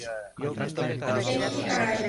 Kenji Arai